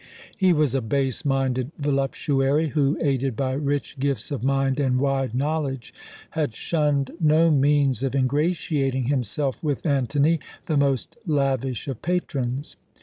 He was a base minded voluptuary, who, aided by rich gifts of mind and wide knowledge, had shunned no means of ingratiating himself with Antony, the most lavish of patrons.